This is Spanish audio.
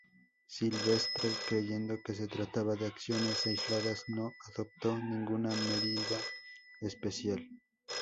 Silvestre, creyendo que se trataba de acciones aisladas, no adoptó ninguna medida especial.